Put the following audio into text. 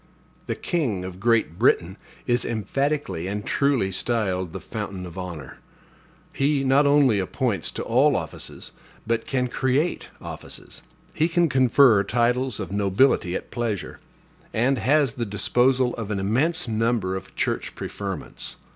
The king of Great Britain is emphatically and truly styled the fountain of honor. He not only appoints to all offices, but can create offices. He can confer titles of nobility at pleasure; and has the disposal of an immense number of church preferments.